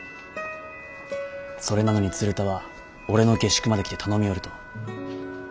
それなのに鶴田は俺の下宿まで来て頼みよると。